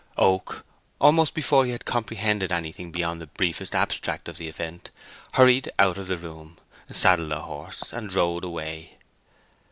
Oak, almost before he had comprehended anything beyond the briefest abstract of the event, hurried out of the room, saddled a horse and rode away.